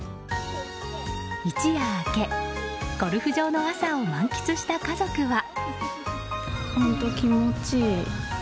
一夜明け、ゴルフ場の朝を満喫した家族は。